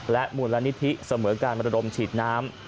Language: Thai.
และหมู่ละนิทิเสมือการบรรดมฉีดน้ำ